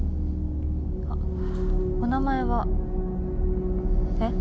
あっお名前は？えっ？